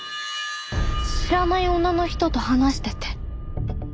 知らない女の人と話してて。